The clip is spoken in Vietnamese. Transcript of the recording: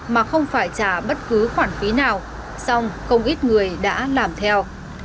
mà không phải trả bất cứ khoản phí nào song không ít người đã làm theo